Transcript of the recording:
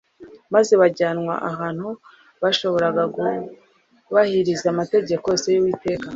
maze bajyanwa ahantu bashoboraga kubahiriza amategeko yose yUwiteka